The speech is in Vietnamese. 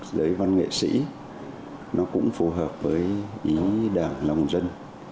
giới văn nghệ sĩ nó cũng phù hợp với những đảng lòng dân